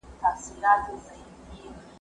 ما مخکي د سبا لپاره د هنرونو تمرين کړی وو!؟